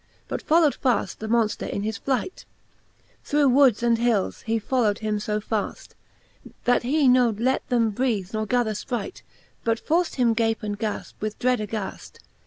But follow'd faft the Monfter in his flight : Through woods and hils he follow'd him fo faft. That he nould let him breath nor gather ipright. But forft him gape and ga{pe, with dread aghaft.